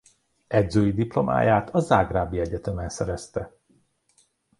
Edzői diplomáját a zágrábi egyetemen szerezte.